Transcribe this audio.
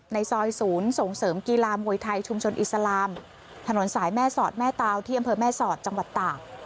ในซอยศูนย์ส่งเสริมกีฬามวยไทยชุมชนอิสลามถนนสายแม่สอดแม่ตาวที่อำเภอแม่สอดจังหวัดตาก